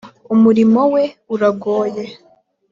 umurimo we uragoye.